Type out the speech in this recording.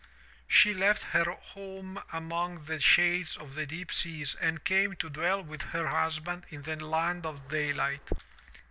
She left her home among the shades of the deep seas and came to dwell with her husband in the land of daylight.